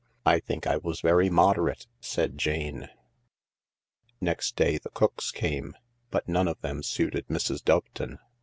" I think I was very moderate," said Jane. Next day the cooks came, but none of them suited Mrs. Doveton.